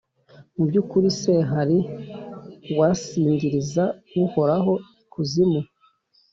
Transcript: Mu by’ukuri se, hari uwasingiriza Uhoraho ikuzimu,